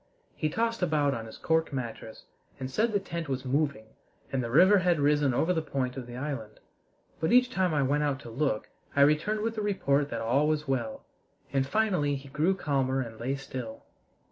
He tossed about on his cork mattress, and said the tent was moving and the river had risen over the point of the island; but each time I went out to look I returned with the report that all was well, and finally he grew calmer and lay still.